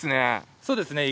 そうですね。